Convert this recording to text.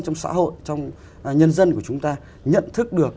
trong xã hội trong nhân dân của chúng ta nhận thức được